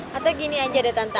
tante gini aja deh tante